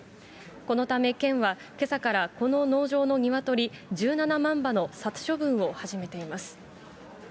このため県は、けさからこの農場の鶏１７万羽の殺処分を始めています。